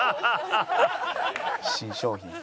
新商品。